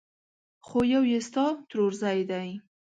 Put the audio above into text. خو يو يې ستا ترورزی دی!